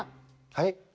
はい？